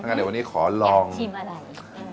งั้นเดี๋ยววันนี้ขอลองชิมอะไร